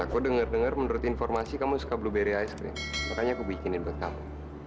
aku denger denger menurut informasi kamu suka blueberry ice cream makanya aku bikinin buat kamu